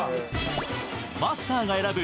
マスターが選ぶ